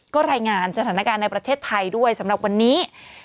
ก็รายงานสถานการณ์ในประเทศไทยด้วยสำหรับวันนี้